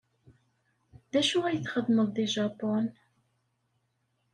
D acu ay txeddmeḍ deg Japun?